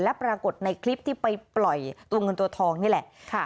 และปรากฏในคลิปที่ไปปล่อยตัวเงินตัวทองนี่แหละ